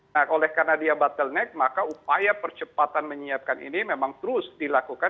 nah oleh karena dia bottleneck maka upaya percepatan menyiapkan ini memang terus dilakukan